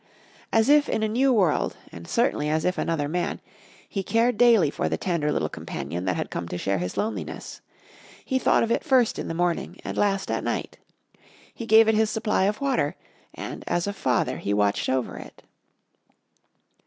As if in a new world, and certainly as if another man, he cared daily for the tender little companion that had come to share his loneliness; he thought of it first in the morning and last at night. He gave it of his supply of water and, as a father, he watched over it.